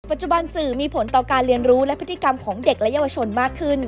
สื่อมีผลต่อการเรียนรู้และพฤติกรรมของเด็กและเยาวชนมากขึ้น